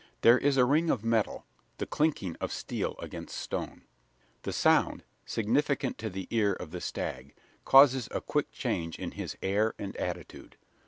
There is a ring of metal the clinking of steel against stone. The sound, significant to the ear of the stag, causes a quick change in his air and attitude.